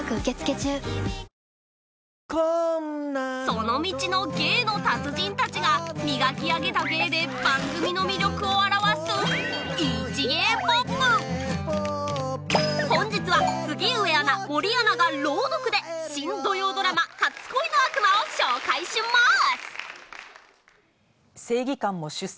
その道の芸の達人たちが磨き上げた芸で番組の魅力を表す本日は杉上アナ森アナが朗読で新土曜ドラマ『初恋の悪魔』を紹介します！